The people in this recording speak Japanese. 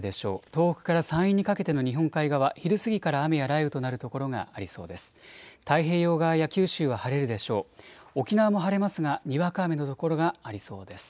東北から山陰にかけての日本海側、昼過ぎから雨や雷雨となるところがありそうです。